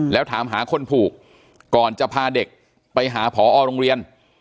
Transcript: แล้วถามหาคนผูกก่อนจะพาเด็กไปหาผอโรงเรียน